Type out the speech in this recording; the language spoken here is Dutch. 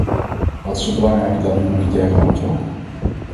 Wat is er belangrijker dan humanitaire noodhulp?